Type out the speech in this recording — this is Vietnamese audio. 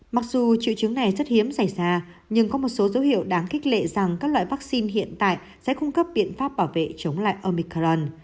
mặc dù triệu chứng này rất hiếm xảy ra nhưng có một số dấu hiệu đáng khích lệ rằng các loại vaccine hiện tại sẽ cung cấp biện pháp bảo vệ chống lại omicron